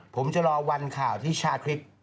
ผมจะรอวันข่าวที่ชาติคลิป